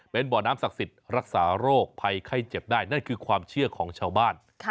เป็นบ่อน้ำศักดิ์สิทธิ์รักษาโรคภัยไข้เจ็บได้นั่นคือความเชื่อของชาวบ้าน